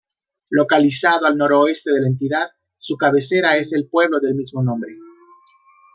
Localizado al noroeste de la entidad, su cabecera es el pueblo del mismo nombre.